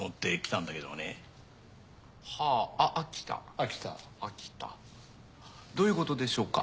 秋田どういうことでしょうか？